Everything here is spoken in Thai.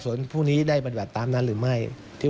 แต่เมื่อต้นพฤติการณ์ของหมวดอย่างนี้